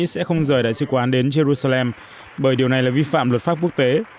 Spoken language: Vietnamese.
sẽ không rời đại sứ quán đến jerusalem bởi điều này là vi phạm luật pháp quốc tế